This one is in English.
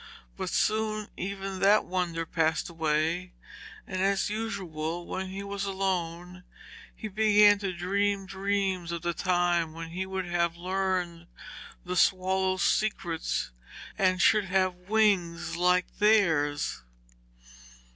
But soon even that wonder passed away, and as usual when he was alone he began to dream dreams of the time when he should have learned the swallows' secrets and should have wings like theirs.